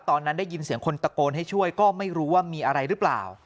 ตอนนั้นได้ยินเสียงคนตะโกนให้ช่วยก็ไม่รู้ว่ามีอะไรหรือเปล่า